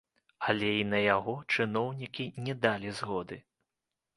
Але і на яго чыноўнікі не далі згоды.